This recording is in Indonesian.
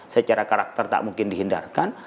secara karakter tak mungkin dihindarkan